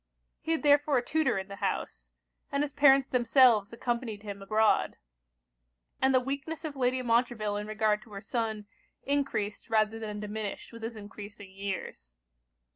He had therefore a tutor in the house; and his parents themselves accompanied him abroad. And the weakness of Lady Montreville in regard to her son, encreased rather than diminished with his encreasing years.